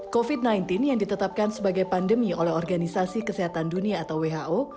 covid sembilan belas yang ditetapkan sebagai pandemi oleh organisasi kesehatan dunia atau who